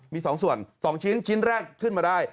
มี๒ส่วน๒ชิ้นชิ้นแรกขึ้นมาได้